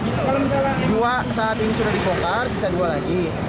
dua saat ini sudah dibongkar sisa dua lagi